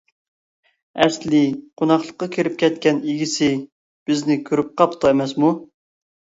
ئەسلى، قوناقلىققا كىرىپ كەتكەن ئىگىسى بىزنى كۆرۈپ قاپتۇ ئەمەسمۇ!